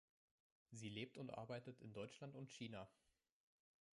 Sie lebt und arbeitet in Deutschland und China.